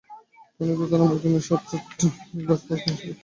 পানি দ্রুত নামার কারণে সাত-আটটি ঘেরের মাছ বাঁধ ধসে বেরিয়ে যায়।